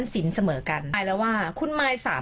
เดี๋ยวก่อนนะ